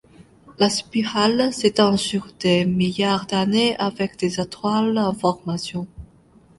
La spirale s'étend sur des milliards d'années avec des étoiles en formation.